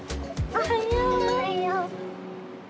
おはよう！